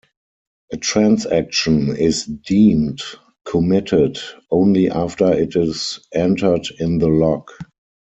A transaction is deemed committed only after it is entered in the log.